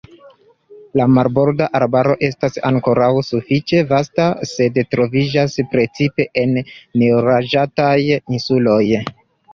La marborda arbaro estas ankoraŭ sufiĉe vasta, sed troviĝas precipe en neloĝataj insuloj.